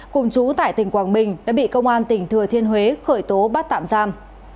cùng chú tại tỉnh quảng bình đã bị công an tỉnh thừa thiên huế khởi tố bắt tạm giam